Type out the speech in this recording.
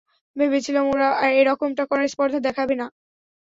ভেবেছিলাম, ওরা এরকমটা করার স্পর্ধা দেখাবে না।